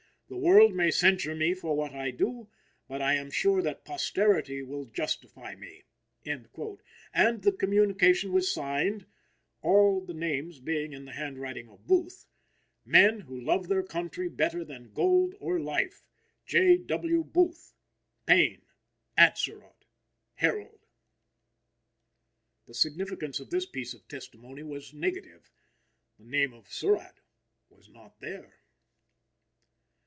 The world may censure me for what I do; but I am sure that posterity will justify me." And the communication was signed (all the names being in the hand writing of Booth): "Men who love their country better than gold or life. J. W. Booth, Payne, Atzerodt, Herold." The significance of this piece of testimony was negative. The name of Surratt was not there.